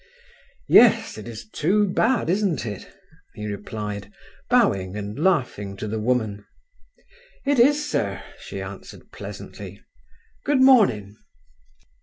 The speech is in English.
"Yes—it is too bad, isn't it," he replied, bowing and laughing to the woman. "It is, sir," she answered pleasantly. "Good morning."